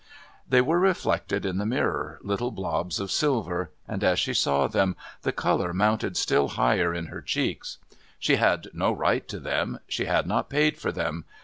They were reflected in the mirror, little blobs of silver, and as she saw them the colour mounted still higher in her cheeks. She had no right to them; she had not paid for them.